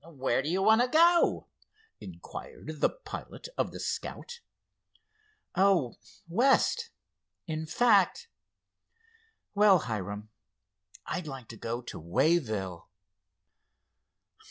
"Where do you want to go?" inquired the pilot of the Scout. "Oh, west—in fact, well, Hiram, I'd like to go to Wayville."